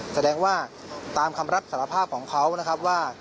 แสดงว่าตามคำรับสารภาพของเขานะครับว่า